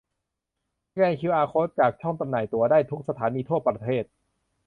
สแกนคิวอาร์โค้ดจากช่องจำหน่ายตั๋วได้ทุกสถานีทั่วประเทศ